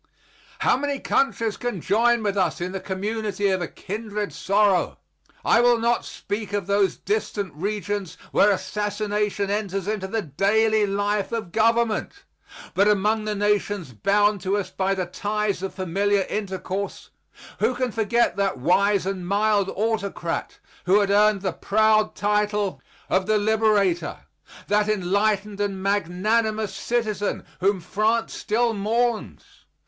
How many countries can join with us in the community of a kindred sorrow! I will not speak of those distant regions where assassination enters into the daily life of government. But among the nations bound to us by the ties of familiar intercourse who can forget that wise and mild autocrat who had earned the proud title of the liberator? that enlightened and magnanimous citizen whom France still mourns?